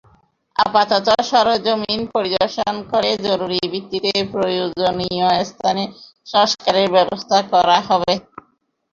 আপাতত সরেজমিন পরিদর্শন করে জরুরি ভিত্তিতে প্রয়োজনীয় স্থানে সংস্কারের ব্যবস্থা করা হবে।